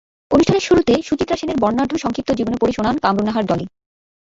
অনুষ্ঠানের শুরুতে সুচিত্রা সেনের বর্ণাঢ্য সংক্ষিপ্ত জীবনী পড়ে শোনান কামরুন্নাহার ডলি।